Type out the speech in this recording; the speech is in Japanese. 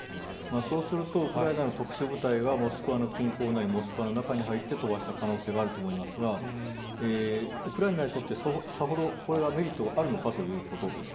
そうすると、ウクライナの特殊部隊が、モスクワの近郊なりモスクワの中に入って飛ばした可能性があると思いますが、ウクライナにとって、さほどこれがメリットがあるのかということです。